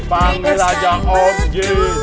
panggil aja om jin